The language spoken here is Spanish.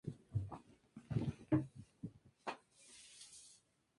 Era nieto de Niall de los Nueve Rehenes.